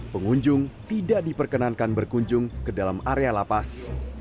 pengunjung tidak diperkenankan berkunjung ke dalam area lapas